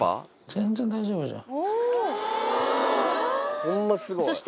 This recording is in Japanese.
全然大丈夫じゃん。